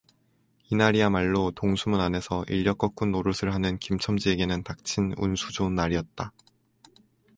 이날이야말로 동수문 안에서 인력거꾼 노릇을 하는 김 첨지에게는 닥친 운수 좋은 날이었다.